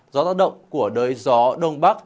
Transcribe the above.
gió tác động của đới gió đông bắc